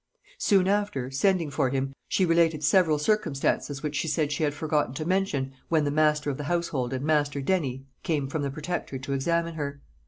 Soon after, sending for him, she related several circumstances which she said she had forgotten to mention when the master of the household and master Denny came from the protector to examine her.